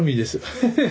ハハハッ。